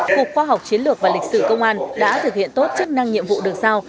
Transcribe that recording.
cục khoa học chiến lược và lịch sử công an đã thực hiện tốt chức năng nhiệm vụ được sao